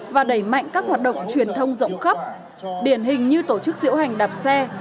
và đẩy mạnh các hoạt động truyền thông rộng khắp điển hình như tổ chức diễu hành đạp xe